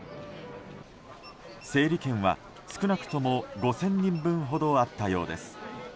整理券は、少なくとも５０００人分ほどあったようです。